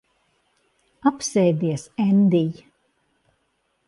Apsēdies, Endij.